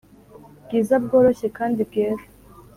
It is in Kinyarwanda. bwiza bworoshye kandi bwera